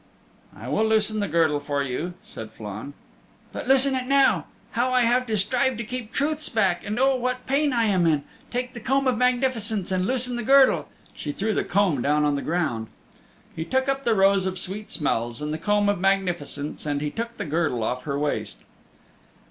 "I will loosen the girdle for you," said Flann. "But loosen it now. How I have to strive to keep truths back, and oh, what pain I am in! Take the Comb of Magnificence, and loosen the girdle." She threw the comb down on the ground. He took up the Rose of Sweet Smells and the Comb of Magnificence and he took the girdle off her waist.